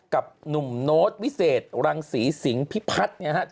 กับหนุ่มโน๊ตวิเศษรังสีสิงพิพัทย์